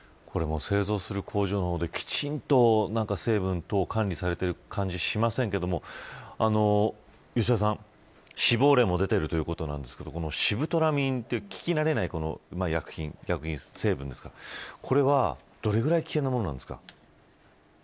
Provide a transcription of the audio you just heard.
製造する工場の方できちんと成分などが管理されている感じがしませんが吉田さん、死亡例も出ているということですがシブトラミンという聞き慣れない薬品成分ですかこれは、どれくらい危険なものなんですか。